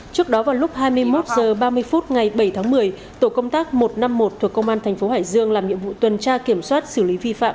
trước đó vào lúc hai mươi một h ba mươi phút ngày bảy tháng một mươi tổ công tác một trăm năm mươi một thuộc công an thành phố hải dương làm nhiệm vụ tuần tra kiểm soát xử lý vi phạm